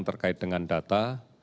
terkait dengan data